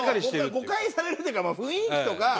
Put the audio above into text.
誤解されるっていうかまあ雰囲気とか。